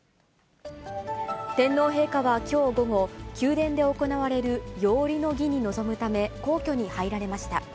天皇陛下はきょう午後、宮殿で行われる節折の儀に臨むため、皇居に入られました。